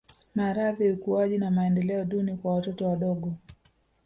Maradhi ukuaji na maendeleo duni kwa watoto wadogo